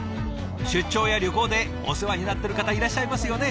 出張や旅行でお世話になってる方いらっしゃいますよね？